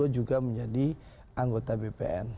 juga menjadi anggota bpn